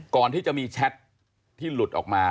ก่อนที่จะมีแชทที่หลุดออกมา